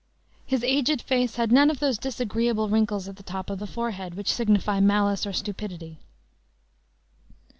His aged face had none of those disagreeable wrinkles at the top of the forehead, which signify malice or stupidity.